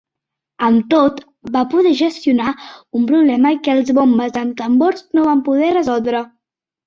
Amb tot, va poder gestionar un problema que els Bombes amb tambors no van poder resoldre.